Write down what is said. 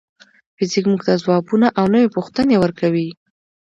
فزیک موږ ته ځوابونه او نوې پوښتنې ورکوي.